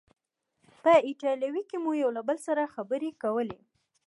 په ایټالوي کې مو یو له بل سره خبرې کولې.